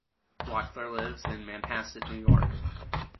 Wachtler lives in Manhasset, New York.